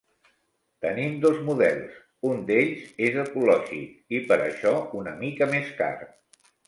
Tenim dos models, un d'ells és ecològic i per això una mica més car.